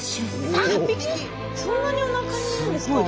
そんなにおなかにいるんですか？